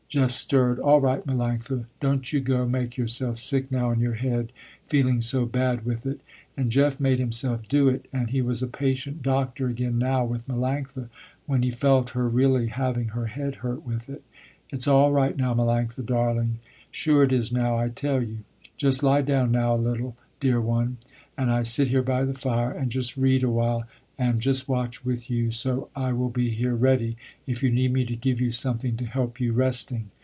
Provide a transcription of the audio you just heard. Jeff stirred, "All right Melanctha, don't you go make yourself sick now in your head, feeling so bad with it," and Jeff made himself do it, and he was a patient doctor again now with Melanctha when he felt her really having her head hurt with it. "It's all right now Melanctha darling, sure it is now I tell you. You just lie down now a little, dear one, and I sit here by the fire and just read awhile and just watch with you so I will be here ready, if you need me to give you something to help you resting."